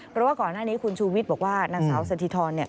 เพราะว่าก่อนหน้านี้คุณชูวิทย์บอกว่านางสาวสถิธร